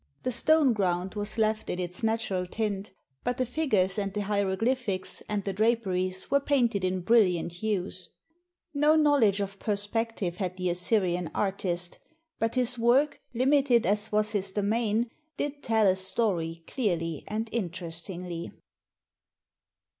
The stone ground was left in its natural tint, but the figures and the hieroglyphics and the draperies were painted in brilliant hues. No knowledge' of perspective had the Assyrian artist, but his work, limited as was his domain, did tell a story clearly and interestingly.